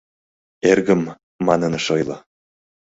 «Эргым» манын ыш ойло.